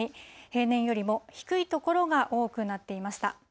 平年よりも低い所が多くなっていました。